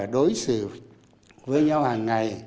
đối xử với nhau hàng ngày